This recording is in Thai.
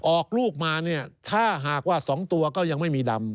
ออกลูกมาเนี่ยถ้าหากว่า๒ตัวก็ยังไม่มีดำ